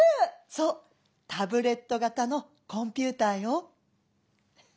「そうタブレット型のコンピューターよ。